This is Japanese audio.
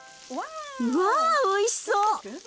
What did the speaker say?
わおいしそう！